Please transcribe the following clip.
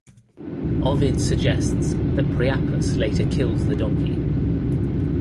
Ovid suggests that Priapus later kills the donkey.